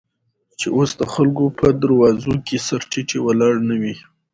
چې اوس دخلکو په دروازو، کې سر تيټى ولاړ نه وې.